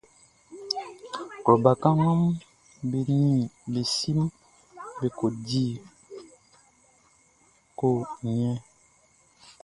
Klɔ bakannganʼm be nin be siʼm be kɔ di ko njɛn.